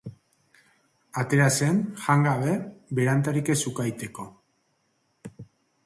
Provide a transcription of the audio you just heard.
Atera zen, jan gabe, berantarik ez ukaiteko.